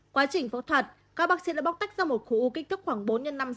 quá trình phẫu thuật các bác sĩ đã bóc tách ra một khu u kích thước khoảng bốn x năm cm